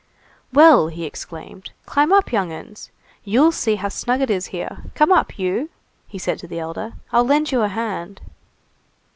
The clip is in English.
"Well!" he exclaimed, "climb up, young 'uns! You'll see how snug it is here! Come up, you!" he said to the elder, "I'll lend you a hand."